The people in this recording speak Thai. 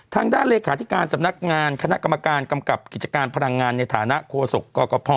ทางด้านเลขาธิการสำนักงานคณะกรรมการกำกับกิจการพลังงานในฐานะโฆษกกภ